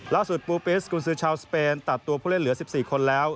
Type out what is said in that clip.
ปูปิสกุญซือชาวสเปนตัดตัวผู้เล่นเหลือ๑๔คนแล้ว